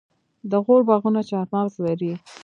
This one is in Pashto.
د غور باغونه چهارمغز لري.